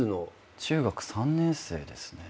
中学３年生ですね。